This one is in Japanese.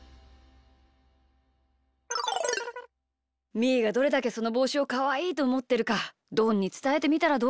みーがどれだけそのぼうしをかわいいとおもってるかどんにつたえてみたらどうかな？